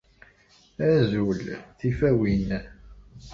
Azul. Tifawin!